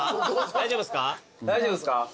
大丈夫ですか？